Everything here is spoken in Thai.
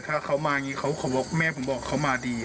ถ้าเขามาแม่ผมบอกเขามาดี